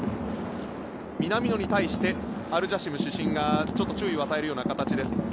南野に対してアルジャシム主審がちょっと注意を与えたような形です。